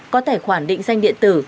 có tài khoản định danh điện tử